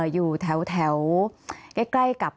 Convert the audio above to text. อยู่แถวใกล้กับ